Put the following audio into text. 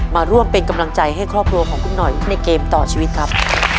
มาร่วมเป็นกำลังใจให้ครอบครัวของคุณหน่อยในเกมต่อชีวิตครับ